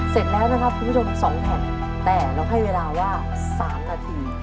เสร็จแล้วนะครับคุณผู้ชม๒แผ่นแต่เราให้เวลาว่า๓นาที